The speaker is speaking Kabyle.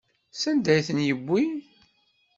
Sanda ay ten-yewwi?